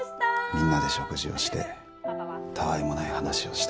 みんなで食事をしてたわいもない話をしたり。